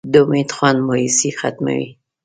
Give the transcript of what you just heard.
د امید خوند مایوسي ختموي.